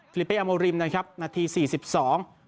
ลิเป้อโมริมนะครับนาทีสี่สิบสอง